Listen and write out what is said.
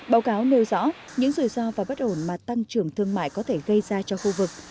báo cáo nêu rõ những rủi ro và bất ổn mà tăng trưởng thương mại có thể gây ra cho khu vực